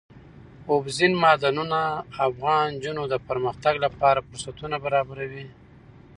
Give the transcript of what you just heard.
اوبزین معدنونه د افغان نجونو د پرمختګ لپاره فرصتونه برابروي.